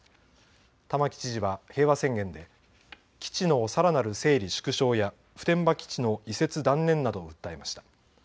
玉城知事は平和宣言で基地のさらなる整理・縮小や普天間基地の移設断念などを訴えました。